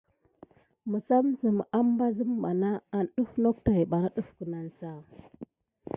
Misasin higana na an siga nok tät pak def kinaba.